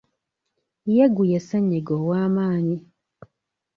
Yegu ye ssennyiga ow'amaanyi.